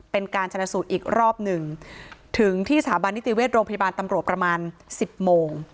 เป็นการชนะสูตรอีกรอบหนึ่งถึงที่สถาบันนิติเวชโรงพยาบาลตำรวจประมาณสิบโมง